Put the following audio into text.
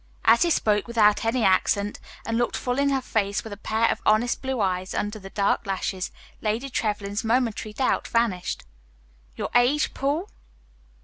As he spoke without any accent, and looked full in her face with a pair of honest blue eyes under the dark lashes, Lady Trevlyn's momentary doubt vanished. "Your age, Paul?"